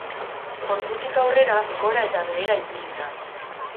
Ordutik aurrera gora eta behera ibili da.